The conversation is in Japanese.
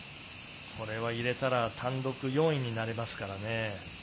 これは入れたら単独４位になれますからね。